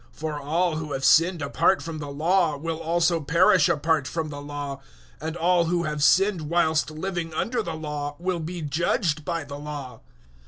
002:012 For all who have sinned apart from the Law will also perish apart from the Law, and all who have sinned whilst living under the Law, will be judged by the Law.